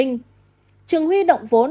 trường huy động vốn